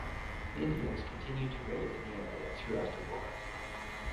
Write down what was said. Indians continued to raid in the area throughout the war.